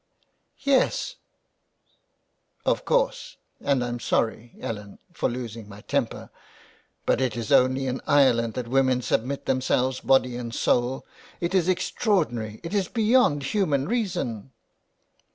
" Yes, ... of course, and I'm sorry, Ellen, for losing my temper. But it is only in Ireland that women submit themselves body and soul. It is ex traordinary; it is beyond human reason."